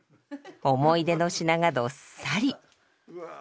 思い出の品がどっさり。